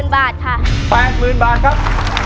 ๘๐๐๐๐บาทค่ะ๘๐๐๐๐บาทครับ